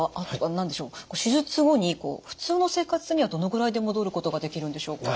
何でしょう手術後に普通の生活にはどのぐらいで戻ることができるんでしょうか？